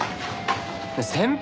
先輩！